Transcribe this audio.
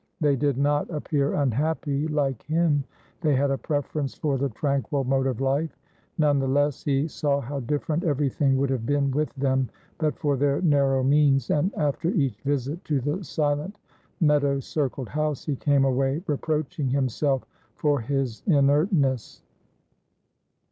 They did not appear unhappy; like him, they had a preference for the tranquil mode of life; none the less, he saw how different everything would have been with them but for their narrow means, and, after each visit to the silent meadow circled house, he came away reproaching himself for his inertness.